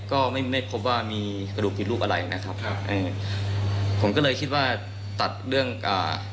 ก็ไม่ไม่พบว่ามีกระดูกผิดรูปอะไรนะครับครับเออผมก็เลยคิดว่าตัดเรื่องอ่า